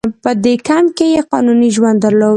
په دې کمپ کې یې قانوني ژوند درلود.